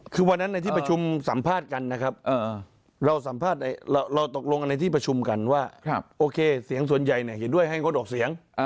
คือวันนั้นในที่ประชุมสัมภาษณ์กันนะครับเราตกลงกันในที่ประชุมกันว่าโอเคเสียงส่วนใหญ่เห็นด้วยให้งดออกเสียง